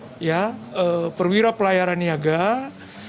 dan kami juga mendengarkan pengajaran dari negara negara